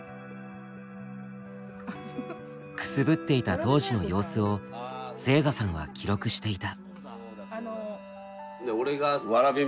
くすぶっていた当時の様子を星座さんは記録していた。